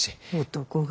男が。